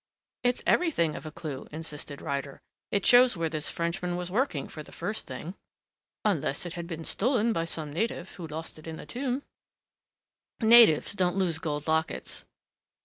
"It's everything of a clue," insisted Ryder. "It shows where this Frenchman was working, for the first thing " "Unless it had been stolen by some native who lost it in that tomb." "Natives don't lose gold lockets.